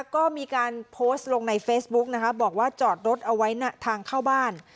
ก็มีการโพสต์ลงในเฟซบุ๊กนะคะบอกว่าจอดรถเอาไว้ทางเข้าบ้าน